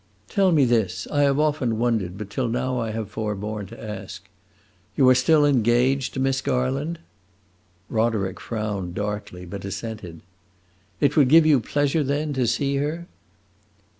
"Tell me this; I have often wondered, but till now I have forborne to ask. You are still engaged to Miss Garland?" Roderick frowned darkly, but assented. "It would give you pleasure, then, to see her?"